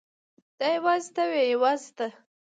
دا یوازې ته وې یوازې ته.